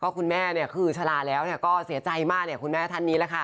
คุณแม่ชลาดแล้วเสียใจมากคุณแม่ท่านนี้